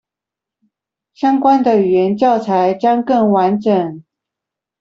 相關的語言教材將更完整